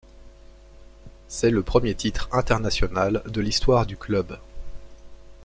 C'est le premier titre international de l'histoire du club.